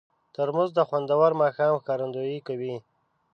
ترموز د خوندور ماښام ښکارندویي کوي.